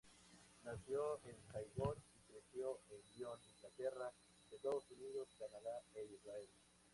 Nació en Saigón y creció en Lyon, Inglaterra, Estados Unidos, Canadá e Israel.